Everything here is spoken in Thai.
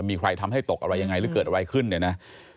มีใครทำให้ตกอะไรยังไงหรือเกิดอะไรขึ้นเนี่ยนะ